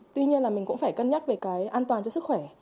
tuy nhiên là mình cũng phải cân nhắc về cái an toàn cho sức khỏe